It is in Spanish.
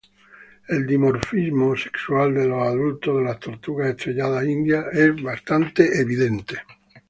El dimorfismo sexual de los adultos de las tortugas estrelladas indias es bastante evidente.